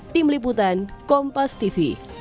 tim liputan kompas tv